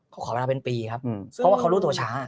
เขาขอเวลาเป็นปีครับเพราะว่าเขารู้ตัวช้า